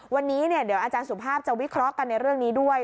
วันนี้เดี๋ยวอาจารย์สุภาพจะวิเคราะห์กันในเรื่องนี้ด้วย